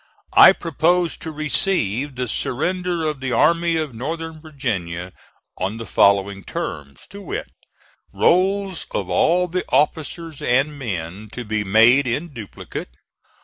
I propose to receive the surrender of the Army of N. Va. on the following terms, to wit: Rolls of all the officers and men to be made in duplicate.